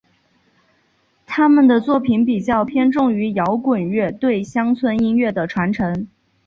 他们的作品比较偏重于摇滚乐对乡村音乐的传承。